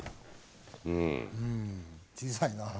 うん小さいな。